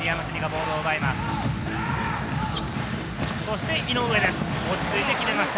ボールを奪います。